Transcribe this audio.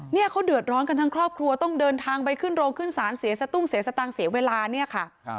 เนี่ยเขาเดือดร้อนกันทั้งครอบครัวต้องเดินทางไปขึ้นโรงขึ้นศาลเสียสตุ้งเสียสตางค์เสียเวลาเนี่ยค่ะ